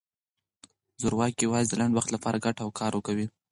زورواکي یوازې د لنډ وخت لپاره ګټه او کار ورکوي.